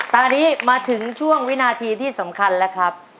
ตอนนี้มาถึงช่วงวินาทีที่สำคัญแล้วครับ